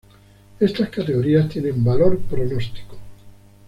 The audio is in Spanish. Estas categorías tienen valor pronóstico.